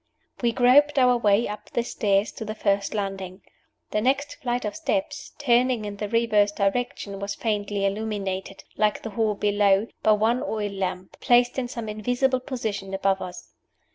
We groped our way up the stairs to the first landing. The next flight of steps, turning in the reverse direction, was faintly illuminated, like the hall below, by one oil lamp, placed in some invisible position above us.